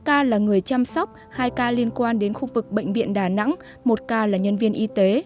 một ca là người chăm sóc hai ca liên quan đến khu vực bệnh viện đà nẵng một ca là nhân viên y tế